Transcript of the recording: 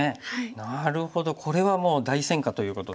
なるほどこれはもう大戦果ということで。